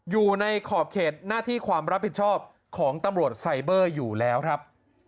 อยู่ในขอบเขตหน้าที่ความรับผิดชอบของตำรวจไซเบอร์อยู่แล้วครับ